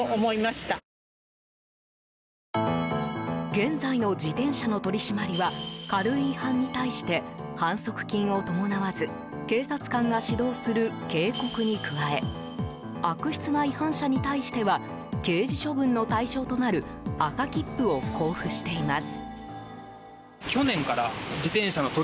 現在の自転車の取り締まりは軽い違反に対して反則金を伴わず警察官が指導する警告に加え悪質な違反者に対しては刑事処分の対象となる赤切符を交付しています。